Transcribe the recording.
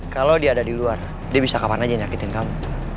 kalo dia ada diluar dia bisa kapan aja nyakitin kamu